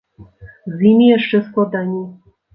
З імі яшчэ складаней.